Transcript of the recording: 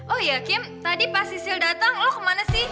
oh ya kim tadi pas sisil datang lo kemana sih